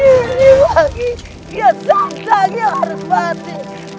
siliwangi dia sedangnya harus mati